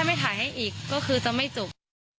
ไม่ถ่ายให้อีกก็คือจะไม่จบ